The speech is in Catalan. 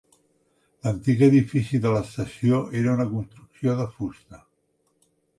L'antic edifici de l'estació era una construcció de fusta.